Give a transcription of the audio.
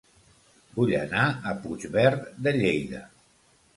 Vull anar a Puigverd de Lleida